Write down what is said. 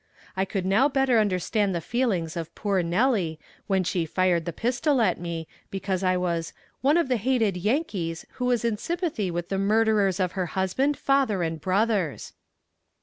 I could now better understand the feelings of poor Nellie when she fired the pistol at me, because I was "one of the hated Yankees who was in sympathy with the murderers of her husband, father and brothers."